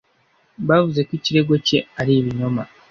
Bavuze ko ikirego cye ari ibinyoma